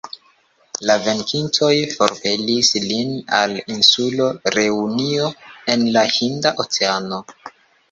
La venkintoj forpelis lin al insulo Reunio, en la Hinda Oceano.